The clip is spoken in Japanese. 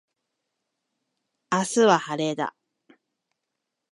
明日は晴れだ。